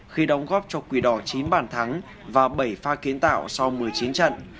khi đóng góp cho quỷ đỏ chín bản thắng và bảy pha kiến tạo sau một mươi chín trận